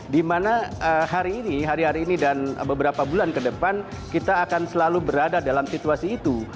dimana hari ini hari hari ini dan beberapa bulan ke depan kita akan selalu berada dalam situasi itu